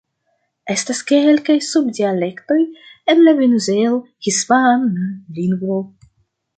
Estas kelkaj sub-dialektoj en la Venezuel-hispana lingvo.